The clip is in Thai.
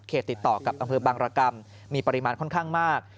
ติดต่อกับอำเภอบางรกรรมมีปริมาณค่อนข้างมาก